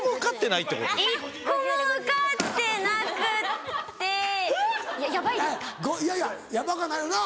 いやいやヤバかないよな。